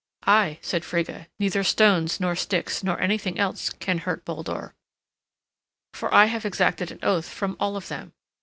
"Ay," said Frigga, "neither stones, nor sticks, nor anything else can hurt Baldur, for I have exacted an oath from all of them."